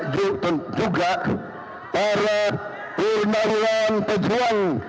rutak jutak para primarian pejuang